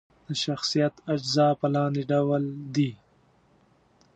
د شخصیت اجزا په لاندې ډول دي: